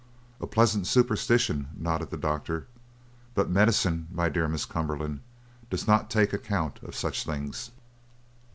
"A pleasant superstition," nodded the doctor, "but medicine, my dear Miss Cumberland, does not take account of such things."